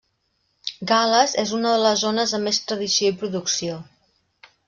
Gal·les és una de les zones amb més tradició i producció.